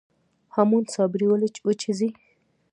هامون صابري ولې وچیږي؟